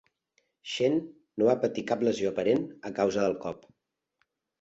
Schenn no va patir cap lesió aparent a causa del cop.